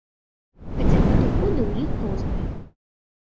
Хаця падыходы ў іх розныя.